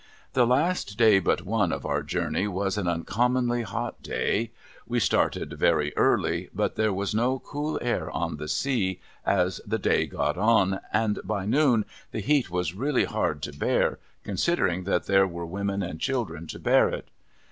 The last day but one of our journey was an uncommonly hot day. ^^'e started very early ; but, there was no cool air on the sea as the day got on, and by noon the heat was really hard to bear, considering that there were women and children to bear it.